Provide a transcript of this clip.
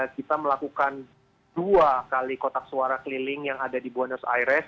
kita melakukan dua kali kotak suara keliling yang ada di buenos aires